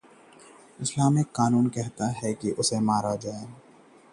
गाय को 'राष्ट्र माता' का दर्जा दिलाने के लिए मिस्ड कॉल आंदोलन